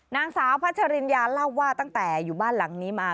นางสาวพัชริญญาเล่าว่าตั้งแต่อยู่บ้านหลังนี้มา